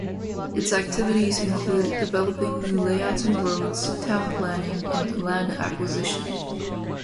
Its activities include developing new layouts and roads, town planning and land acquisition.